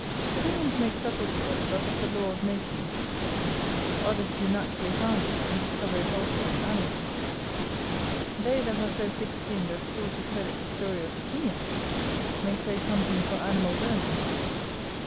Civilians make sepulture but of the law of nations, others do naturally found it and discover it also in animals. They that are so thick skinned as still to credit the story of the Phœnix, may say something for animal burning.